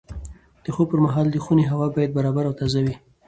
د خوب پر مهال د خونې هوا باید برابره او تازه وي.